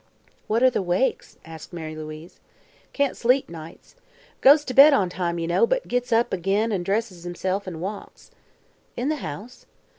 "What are the 'wakes'?" asked Mary Louise. "Can't sleep nights. Goes t' bed on time, ye know, but gits up ag'in an' dresses himself an' walks." "In the house?"